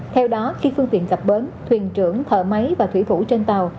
theo đó khi phương tiện tập bớn thuyền trưởng thợ máy và thủy thủ trên tàu